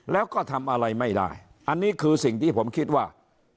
แล้วก็ทำอะไรไม่ได้อันนี้คือสิ่งที่ผมคิดว่า